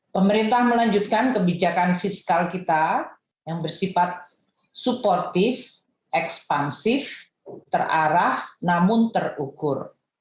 pemerintah melanjutkan kebijakan fiskal kita yang bersifat suportif ekspansif terarah namun terukur